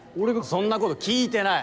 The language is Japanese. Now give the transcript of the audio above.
そんなこと聞いてない。